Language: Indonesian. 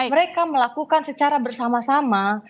mereka melakukan secara bersama sama